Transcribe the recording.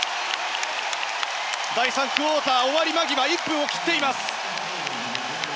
第３クオーター終わり間際１分を切っています。